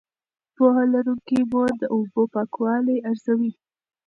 پوهه لرونکې مور د اوبو پاکوالی ارزوي.